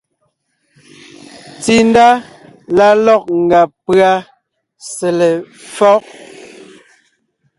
Tsindá la lɔ̂g ngàb pʉ́a sele éfɔ́g.